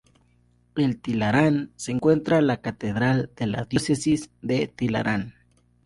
En Tilarán se encuentra la Catedral de la Diócesis de Tilarán.